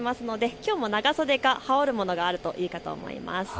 きょうも長袖か羽織るものがあるといいと思います。